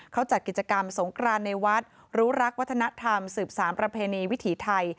เขาจัดกิจกรรมสงครานในวัดรู้รักวัฒนธรรมสืบสารประเพณีวิถีไทย